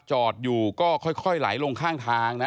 จอดอยู่ก็ค่อยไหลลงข้างทางนะ